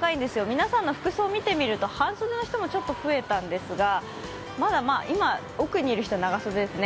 皆さんの服装を見てみると半袖の人もちょっと増えたんですがまだ、今、奥にいる人は長袖ですね。